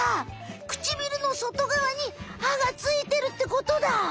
くちびるのそとがわに歯がついてるってことだ。